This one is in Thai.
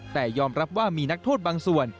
แต่ยอมรับว่ามีนักโทษบางส่วน